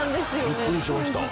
びっくりしました。